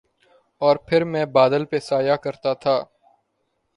اور پھر میں بادل پہ سایہ کرتا تھا